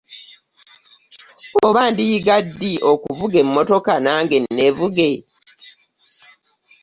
Oba ndiyiga ddi okuvuga emmotoka nange nneevuge?